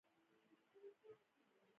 قضاوتونه نیمګړي خو حتماً وي.